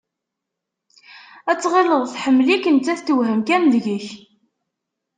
Ad tɣilleḍ tḥemmel-ik, nettat tewhem kan deg-k.